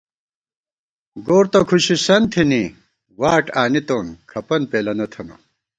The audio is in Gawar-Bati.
گور تہ کھُشِسن تھنی واٹ آنِتون کھپن پېلَنہ تھنہ